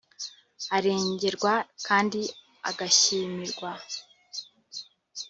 arengerwa kandi agashimirwa